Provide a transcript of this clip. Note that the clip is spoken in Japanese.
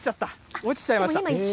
落ちちゃいました。